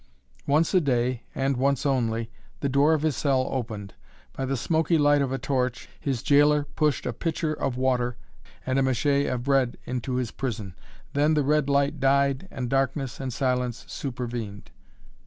Once a day, and once only, the door of his cell opened. By the smoky light of a torch, his gaoler pushed a pitcher of water and a machet of bread into his prison. Then the red light died and darkness and silence supervened.